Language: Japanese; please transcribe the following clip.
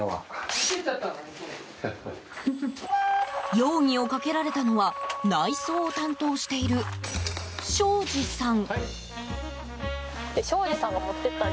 容疑をかけられたのは内装を担当しているショウジさん。